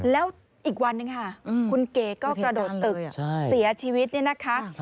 แล้วอีกวันหนึ่งค่ะคุณเก๋ก็กระโดดตึกเสียชีวิตเนี่ยนะคะ